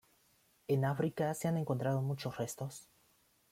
En África se han encontrado muchos restos.